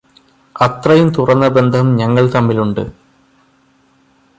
അത്രയും തുറന്ന ബന്ധം ഞങ്ങൾ തമ്മിലുണ്ട്.